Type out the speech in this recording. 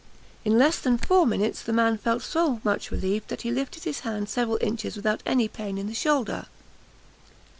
In less than four minutes the man felt so much relieved, that he lifted his hand several inches without any pain in the shoulder!